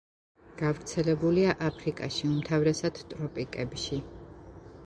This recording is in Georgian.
გავრცელებულია აფრიკაში, უმთავრესად ტროპიკებში.